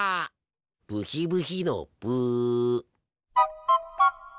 ブヒブヒのブ。